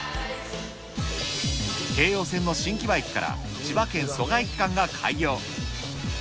京葉線の新木場駅から千葉県蘇我駅間が開業。